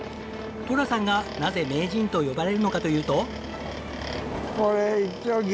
寅さんがなぜ名人と呼ばれるのかというと。